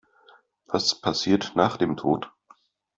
Was passiert nach dem Tod?